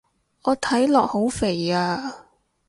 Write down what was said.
我睇落好肥啊